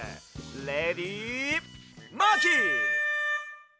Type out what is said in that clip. レディマーキー！